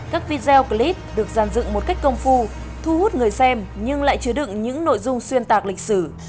các video clip được dàn dựng một cách công phu thu hút người xem nhưng lại chứa đựng những nội dung xuyên tạc lịch sử